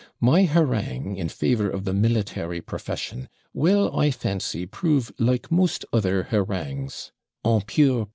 My harangue, in favour of the military profession, will, I fancy, prove like most other harangues, EN PURE PERTE.'